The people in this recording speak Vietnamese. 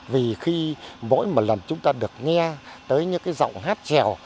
vì khi mỗi một lần chúng ta được nghe tới những cái giọng hát trèo